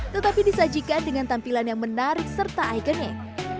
tetapi disajikan dengan tampilan yang menarik serta ikonik